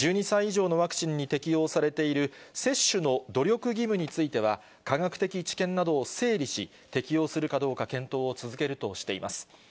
１２歳以上のワクチンに適用されている接種の努力義務については、科学的知見などを整理し、適用するかどうか検討を続けるとしています。